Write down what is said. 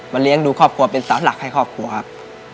เลี้ยงดูครอบครัวเป็นสาวหลักให้ครอบครัวครับ